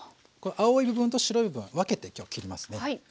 この青い部分と白い部分は分けて今日は切りますね。